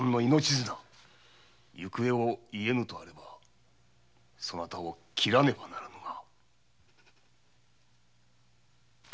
行方を言えぬとあればそなたを斬らねばならぬが。